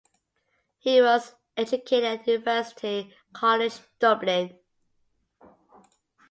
He was educated at University College Dublin.